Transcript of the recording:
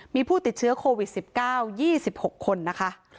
มีผู้ติดเชื้อโควิด๑๙๒๖คนนะคะ